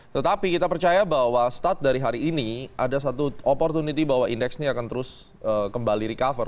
tetapi kita percaya bahwa start dari hari ini ada satu opportunity bahwa indeks ini akan terus kembali recover